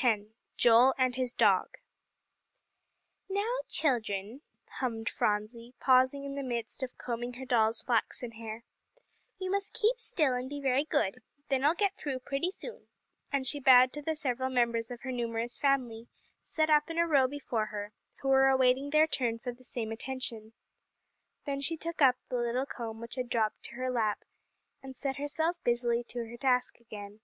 X JOEL AND HIS DOG "Now, children," hummed Phronsie, pausing in the midst of combing her doll's flaxen hair, "you must keep still, and be very good; then I'll get through pretty soon," and she bowed to the several members of her numerous family set up in a row before her, who were awaiting their turn for the same attention. Then she took up the little comb which had dropped to her lap, and set herself busily to her task again.